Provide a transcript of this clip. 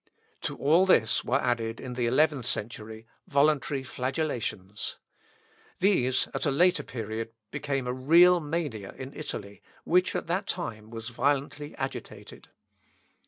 To all this were added, in the eleventh century, voluntary flagellations. These, at a later period, became a real mania in Italy, which at that time was violently agitated.